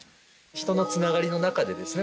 人の繋がりの中でですね